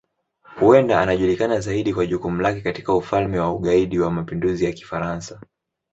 Huenda anajulikana zaidi kwa jukumu lake katika Ufalme wa Ugaidi wa Mapinduzi ya Kifaransa.